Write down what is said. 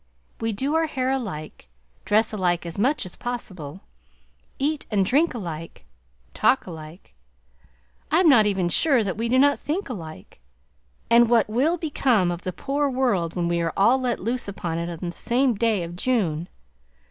We do our hair alike, dress alike as much as possible, eat and drink alike, talk alike, I am not even sure that we do not think alike; and what will become of the poor world when we are all let loose upon it on the same day of June?